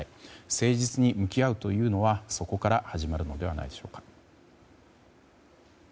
誠実に向き合うというのはそこから始まるのではないでしょうか。